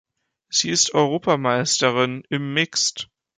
Sie ist Europameisterin im Mixed.